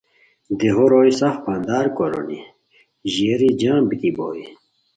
دیہو روئے سف پندار کورونی ژیری جم بیتی بوئے